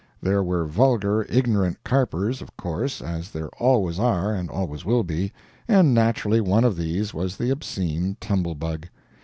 There were vulgar, ignorant carpers, of course, as there always are and always will be; and naturally one of these was the obscene Tumble Bug.